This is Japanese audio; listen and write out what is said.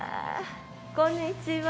こんにちは。